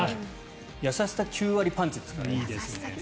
優しさ９割パンチですからね。